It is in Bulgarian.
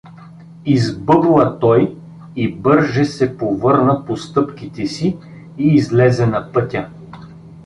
— избъбла той и бърже се повърна по стъпките си и излезе на пътя.